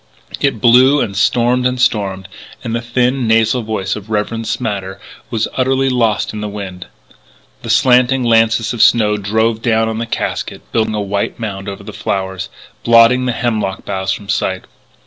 It blew and stormed and stormed, and the thin, nasal voice of "Rev. Smatter" was utterly lost in the wind. The slanting lances of snow drove down on the casket, building a white mound over the flowers, blotting the hemlock boughs from sight.